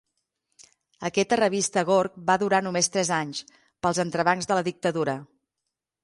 Aquesta revista Gorg va durar només tres anys, pels entrebancs de la dictadura.